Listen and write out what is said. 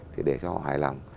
thì để cho họ hài lòng